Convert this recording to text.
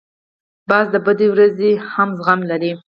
باز د بدې ورځې هم زغم لري